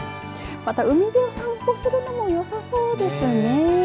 また海辺を散歩するのもよさそうですね。